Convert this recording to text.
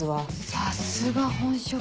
さすが本職。